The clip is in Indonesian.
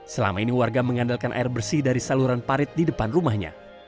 selama ini warga mengandalkan air bersih dari saluran parit di depan rumahnya